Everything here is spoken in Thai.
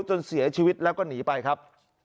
จนเสียชีวิตแล้วก็หนีไปครับ